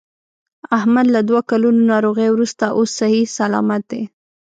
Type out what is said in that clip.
احمد له دوه کلونو ناروغۍ ورسته اوس صحیح صلامت دی.